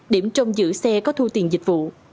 điểm trong giữ xe có thu tiền dịch vụ